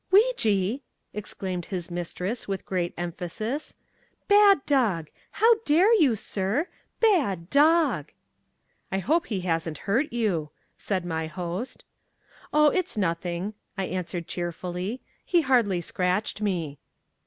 "Weejee!!" exclaimed his mistress with great emphasis, "BAD dog! how dare you, sir! BAD dog!" "I hope he hasn't hurt you," said my host. "Oh, it's nothing," I answered cheerfully. "He hardly scratched me."